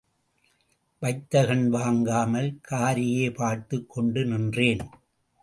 வைத்த கண் வாங்காமல் காரையே பார்த்துக் கொண்டு நின்றேன்.